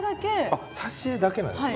あっ挿絵だけなんですか？